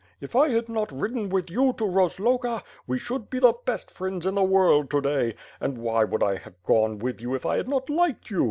If I had not ridden with you to Roz loga, we should be the best friends in the world to day. And why would I have gone with you if I had not liked you?